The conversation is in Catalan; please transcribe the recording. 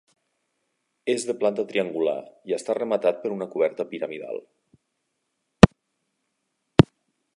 És de planta triangular i està rematat per una coberta piramidal.